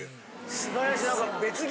素晴らしい。